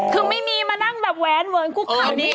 คือไม่มีมานั่งแบบแวนเหมือนคุกค่ำนี้